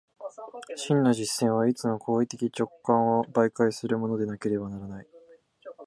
真の実践はいつも行為的直観を媒介するものでなければならない。